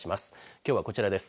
きょうはこちらです。